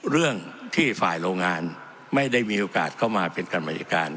เรื่องที่ฝ่ายโรงงานไม่ได้มีโอกาสเข้ามาเป็นการบริการ